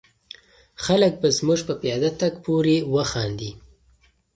خلک به زموږ په پیاده تګ پورې وخاندي.